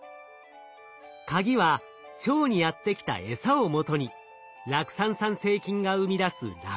カギは腸にやって来たエサをもとに酪酸産生菌が生み出す酪酸。